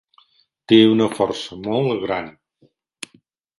Té una força molt gran.